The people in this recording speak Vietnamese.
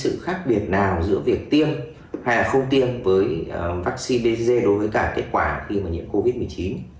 sự khác biệt nào giữa việc tiêm hay là không tiêm với vaccine dc đối với cả kết quả khi mà nhiễm covid một mươi chín